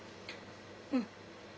うん。